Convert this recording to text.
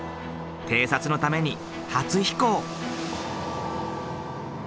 偵察のために初飛行。